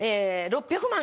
６００万